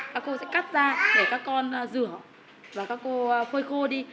các cô sẽ cắt ra để các con rửa và các cô phơi khô đi